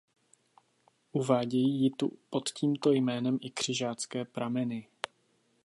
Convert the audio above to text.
Uvádějí ji tu pod tímto jménem i křižácké prameny.